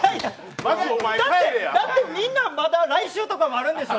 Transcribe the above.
だってみんな、まだ来週とかあるでしょ。